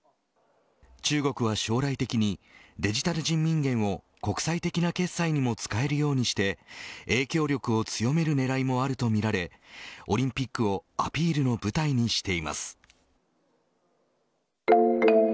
中国は将来的にデジタル人民元を国際的な決済にも使えるようにして影響力を強める狙いもあるとみられオリンピックをアピールの舞台にしています。